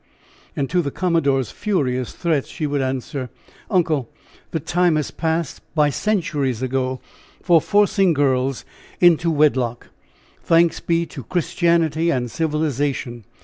And to the commodore's furious threats she would answer: "Uncle, the time has passed by centuries ago for forcing girls into wedlock, thanks be to Christianity and civilization.